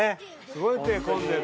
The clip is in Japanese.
すごい手込んでる。